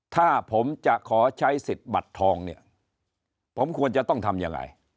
ถ้าผมจะขอใช้สิทธิ์บัตรทองเนี่ยผมควรจะต้องทำยังไง